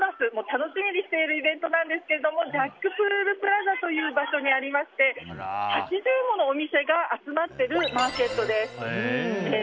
楽しみにしているイベントなんですがジャックポールプラザという場所にありまして８０ものお店が集まっているマーケットです。